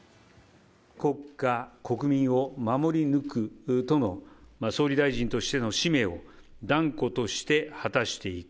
国家・国民を守り抜くとの、総理大臣としての使命を断固として果たしていく。